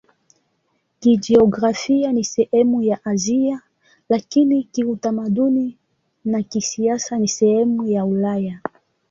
Kijiografia ni sehemu ya Asia, lakini kiutamaduni na kisiasa ni sehemu ya Ulaya.